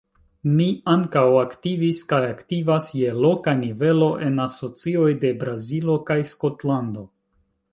Mi ankaŭ aktivis kaj aktivas je loka nivelo en asocioj de Brazilo kaj Skotlando.